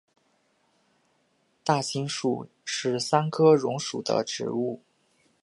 大青树是桑科榕属的植物。